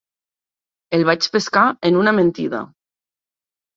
El vaig pescar en una mentida.